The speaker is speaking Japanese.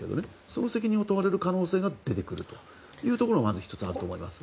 その責任を問われる可能性が出てくるというところがまず１つあると思います。